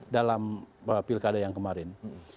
dalam pilkada yang kemarin